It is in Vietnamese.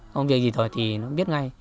công việc gì rồi thì nó biết ngay